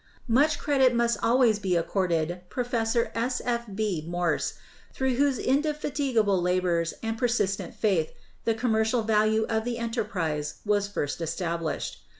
Much credit must always be accorded Professor S. F. B. Morse, through whose indefatigable labors and persistent faith the commercial value of the enterprise was first established.